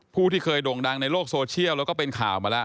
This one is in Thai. ผู้ที่เคยโด่งดังในโลกโซเชียลแล้วก็เป็นข่าวมาแล้ว